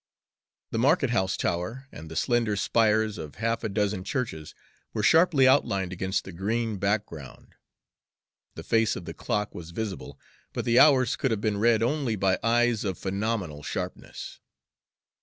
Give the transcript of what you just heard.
The market house tower and the slender spires of half a dozen churches were sharply outlined against the green background. The face of the clock was visible, but the hours could have been read only by eyes of phenomenal sharpness.